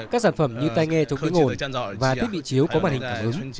các sản phẩm như tai nghe chống đứng ổn và thiết bị chiếu có màn hình cả hướng